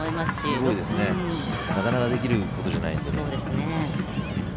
すごいですね、なかなかできることじゃないです。